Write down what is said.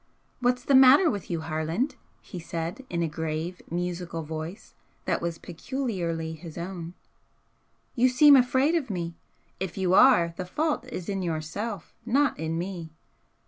'What's the matter with you, Harland?' he said, in a grave, musical voice that was peculiarly his own 'You seem afraid of me. If you are, the fault is in yourself, not in me!'